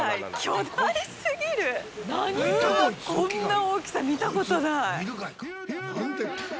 うわっ、こんな大きさ、見たことない。